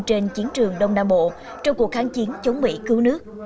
trên chiến trường đông nam bộ trong cuộc kháng chiến chống mỹ cứu nước